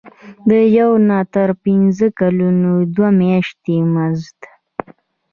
د یو نه تر پنځه کلونو دوه میاشتې مزد.